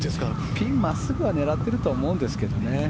ピン真っすぐは狙っているとは思うんですけどね。